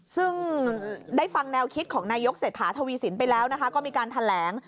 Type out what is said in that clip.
ซึ่งได้ฟังแนวคิดของนายกเศรษฐาทวีสินไปแล้วนะคะก็มีการแถลง